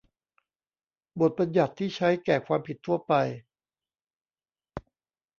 บทบัญญัติที่ใช้แก่ความผิดทั่วไป